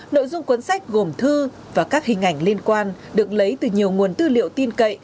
nội dung cuốn sách gồm thư và các hình ảnh liên quan được lấy từ nhiều nguồn tư liệu tin cậy